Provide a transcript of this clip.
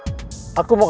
sampai jumpa lagi